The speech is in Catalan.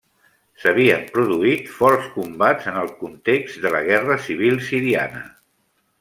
S'havia produït forts combats en el context de la Guerra Civil siriana.